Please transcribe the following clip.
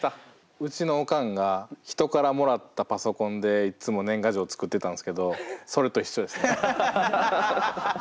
うちのおかんが人からもらったパソコンでいっつも年賀状作ってたんですけどそれと一緒ですね。